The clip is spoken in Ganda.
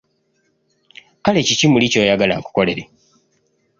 Kale, kiki muli ky’oyagala nkukolere?